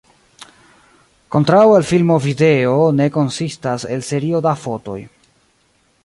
Kontraŭe al filmo video ne konsistas el serio da fotoj.